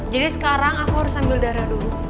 jadi sekarang aku harus ambil darah dulu